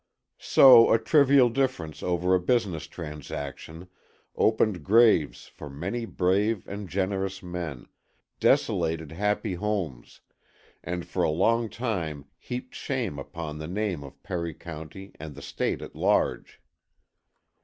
So a trivial difference over a business transaction opened graves for many brave and generous men, desolated happy homes, and for a long time heaped shame upon the name of Perry County and the State at large.